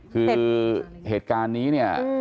คือเหตุการณ์นี้เนี่ย